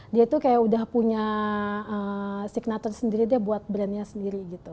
dia tuh kayak udah punya signatur sendiri dia buat brandnya sendiri gitu